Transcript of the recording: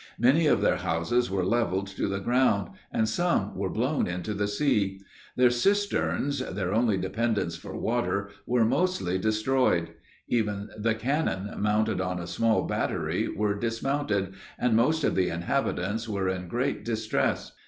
Many of their houses were levelled to the ground, and some were blown into the sea. Their cisterns, their only dependence for water, were mostly destroyed. Even the cannon mounted on a small battery were dismounted, and most of the inhabitants were in great distress.